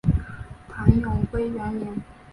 唐永徽元年。